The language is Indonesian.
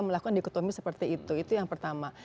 melakukan dikotomi seperti itu itu yang pertama